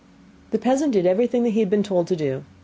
The peasant did everything that he had been told to do.